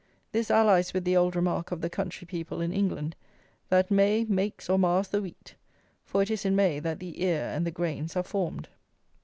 This allies with the old remark of the country people in England, that "May makes or mars the wheat;" for it is in May that the ear and the grains are formed.